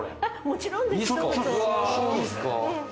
もちろんです。